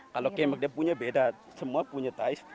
kalau kemak dia punya beda semua punya taiz